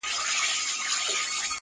هسي رنګه چي له ژونده یې بېزار کړم-